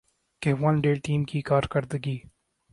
کہ one day team کی کارکردگی